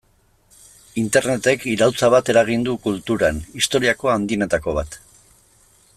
Internetek iraultza bat eragin du kulturan, historiako handienetako bat.